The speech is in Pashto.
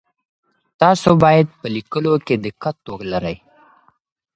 تاسو باید په لیکلو کي دقت ولرئ.